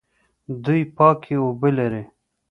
دوی پاکې اوبه لري.